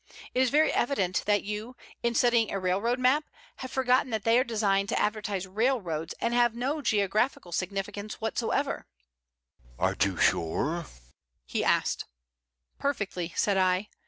It is very evident that you, in studying a railroad map, have forgotten that they are designed to advertise railroads, and have no geographical significance whatsoever." "Are you sure?" he asked. "Perfectly," said I.